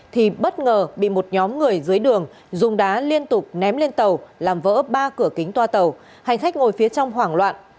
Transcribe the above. thì bất ngờ bị một nhóm người dưới đường dùng đá liên tục ném lên tàu làm vỡ ba cửa kính toa tàu hành khách ngồi phía trong hoảng loạn